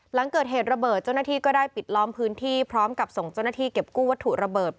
หลังเกิดเหตุระเบิดเจ้าหน้าที่ก็ได้ปิดล้อมพื้นที่พร้อมกับส่งเจ้าหน้าที่เก็บกู้วัตถุระเบิด